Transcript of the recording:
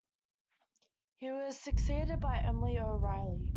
He was succeeded by Emily O'Reilly.